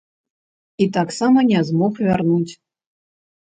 І таксама не змог вярнуць.